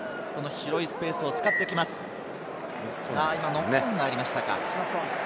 ノックオンがありましたか。